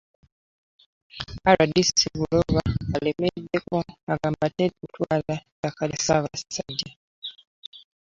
RDC Bulola alemeddeko agamba teri kutwala ttaka lya Ssaabasajja.